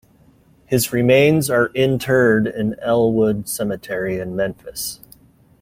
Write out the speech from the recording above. His remains are interred in Elmwood Cemetery in Memphis.